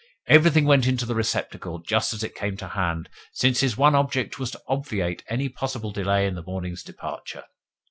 Everything went into the receptacle just as it came to hand, since his one object was to obviate any possible delay in the morning's departure.